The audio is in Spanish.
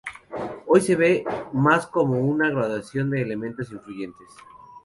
Hoy se ve más como una gradación de elementos influyentes.